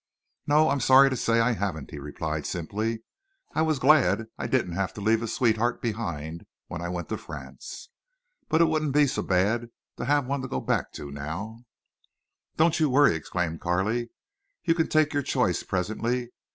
"No, I'm sorry to say I haven't," he replied, simply. "I was glad I didn't have to leave a sweetheart behind, when I went to France. But it wouldn't be so bad to have one to go back to now." "Don't you worry!" exclaimed Carley. "You can take your choice presently.